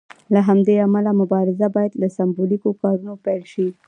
له همدې امله مبارزه باید له سمبولیکو کارونو پیل شي.